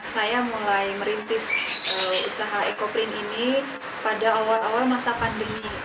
saya mulai merintis usaha ecoprint ini pada awal awal masa pandemi